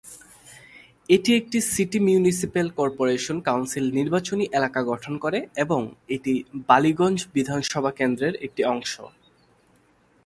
এটি একটি city municipal corporation council নির্বাচনী এলাকা গঠন করে এবং এটি বালিগঞ্জ বিধানসভা কেন্দ্রের একটি অংশ।